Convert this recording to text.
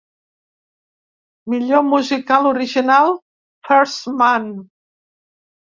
Millor musical original: ‘First Man’